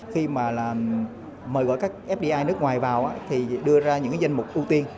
khi mà mời gọi các fdi nước ngoài vào thì đưa ra những danh mục ưu tiên